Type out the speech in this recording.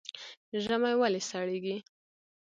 ژمی ولې سړیږي؟